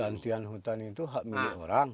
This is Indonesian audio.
gantian hutan itu hak milik orang